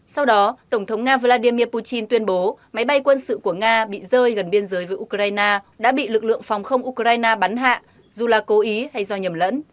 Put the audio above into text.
sau đó tổng thống nga vladimir putin tuyên bố máy bay quân sự của nga bị rơi gần biên giới với ukraine đã bị lực lượng phòng không ukraine bắn hạ dù là cố ý hay do nhầm lẫn